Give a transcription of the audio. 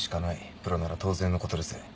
プロなら当然のことです。